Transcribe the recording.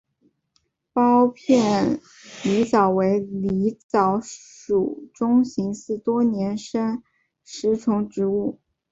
苞片狸藻为狸藻属中型似多年生食虫植物。